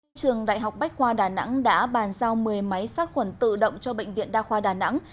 các trường đại học bách khoa đà nẵng đã bàn giao một mươi máy sát khuẩn tự động cho bệnh viện đa khoa đà nẵng